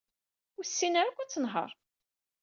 Ur tessin ara akk ad tenheṛ.